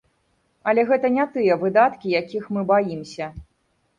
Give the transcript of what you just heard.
Але гэта не тыя выдаткі, якіх мы баімся.